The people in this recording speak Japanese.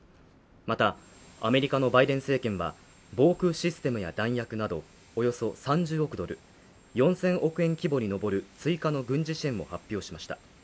またアメリカのバイデン政権は防空システムや弾薬などおよそ３０億ドル、４０００億円規模に上る追加の軍事支援を発表しました。